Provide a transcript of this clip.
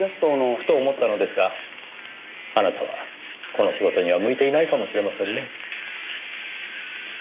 ふと思ったのですがあなたはこの仕事には向いていないかもしれませんねぇ。